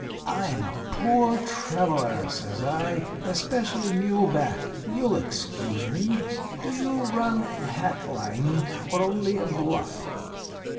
"'I'm a poor traveller,' says I. 'Especially mule back. You'll excuse me. Do you run a hack line or only a bluff?'